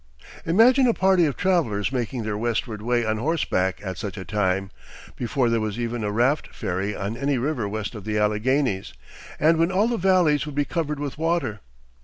Imagine a party of travelers making their westward way on horseback at such a time, before there was even a raft ferry on any river west of the Alleghanies, and when all the valleys would be covered with water.